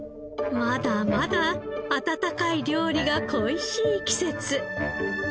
まだまだ温かい料理が恋しい季節。